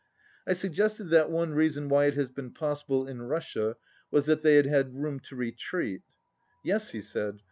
I suggested that one reason why it had been pos sible in Russia was that they had had room to retreat. "Yes," he said.